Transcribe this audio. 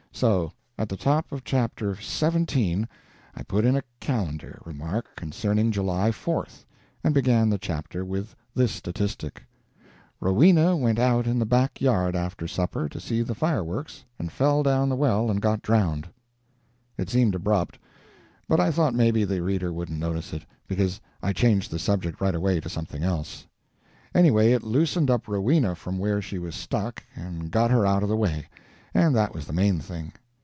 So, at the top of Chapter XVII, I put in a "Calendar" remark concerning July the Fourth, and began the chapter with this statistic: "Rowena went out in the back yard after supper to see the fireworks and fell down the well and got drowned." It seemed abrupt, but I thought maybe the reader wouldn't notice it, because I changed the subject right away to something else. Anyway it loosened up Rowena from where she was stuck and got her out of the way, and that was the main thing.